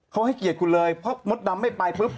เขาให้เกียรติคุณเลยเพราะมดดำไม่ไปปุ๊บ